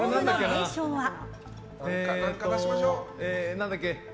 何だっけ。